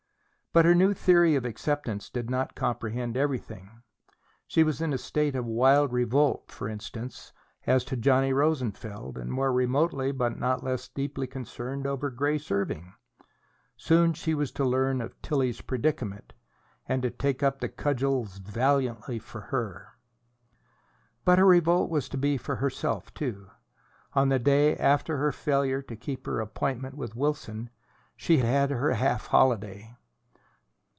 But her new theory of acceptance did not comprehend everything. She was in a state of wild revolt, for instance, as to Johnny Rosenfeld, and more remotely but not less deeply concerned over Grace Irving. Soon she was to learn of Tillie's predicament, and to take up the cudgels valiantly for her. But her revolt was to be for herself too. On the day after her failure to keep her appointment with Wilson she had her half holiday.